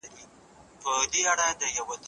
هندي سرتیري د افغانستان پوځ سره یو ځای شول.